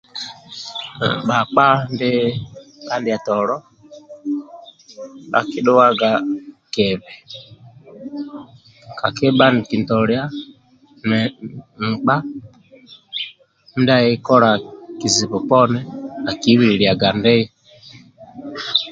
Bhakpa ndi ka ndietolo bhakidhuwaga kibi kakibha nikintolia nkpa mindia akikola kizibu akibililiaga ndie